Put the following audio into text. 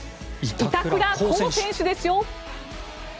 板倉滉選手ですよ！